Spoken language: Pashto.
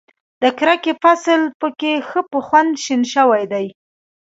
د کرکې فصل په کې ښه په خوند شین شوی دی.